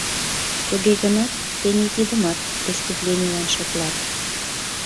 Туге гынат тений тидымат преступленийлан шотлат.